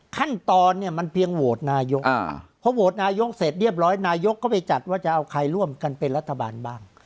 ขั้นตอนเนี่ยมันเพียงโหวตนายกเพราะโหวตนายกเสร็จเรียบร้อยนายกก็ไปจัดว่าจะเอาใครร่วมกันเป็นรัฐบาลบ้าง